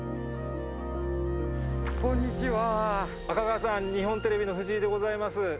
赤川さん、日本テレビの藤井でございます。